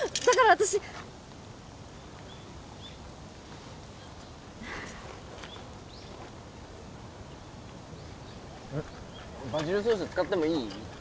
だから私バジルソース使ってもいい？